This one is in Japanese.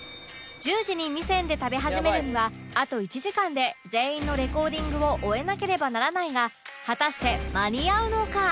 １０時に味仙で食べ始めるにはあと１時間で全員のレコーディングを終えなければならないが果たして間に合うのか？